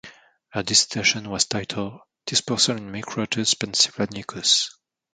Her dissertation was titled "Dispersal in Microtus pennsylvanicus".